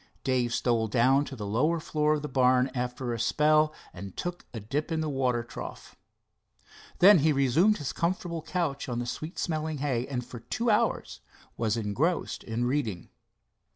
Dave stole down to the lower floor of the barn after a spell and took a dip in the water trough. Then he resumed his comfortable couch on the sweet smelling hay, and for two hours was engrossed in reading.